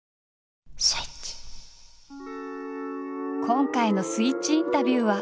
今回の「スイッチインタビュー」は。